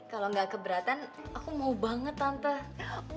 kalau nggak keberatan aku mau banget tante